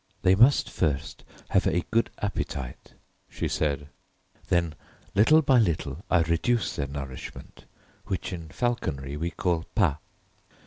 "They must first have a good appetite," she said; "then little by little I reduce their nourishment; which in falconry we call pât.